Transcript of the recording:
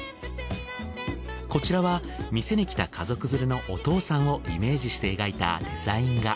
こちらは店に来た家族連れのお父さんをイメージして描いたデザイン画。